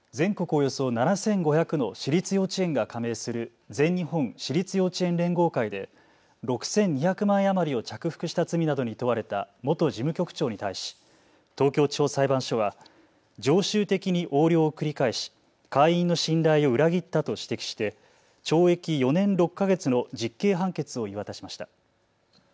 およそ７５００の私立幼稚園が加盟する全日本私立幼稚園連合会で６２００万円余りを着服した罪などに問われた元事務局長に対し東京地方裁判所は常習的に横領を繰り返し会員の信頼を裏切ったと指摘して懲役４年６か月の実刑判決を言い渡しました。